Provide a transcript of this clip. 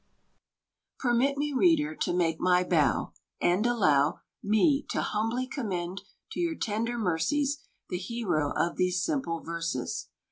Permit me, Reader, to make my bow, And allow Me to humbly commend to your tender mercies The hero of these simple verses.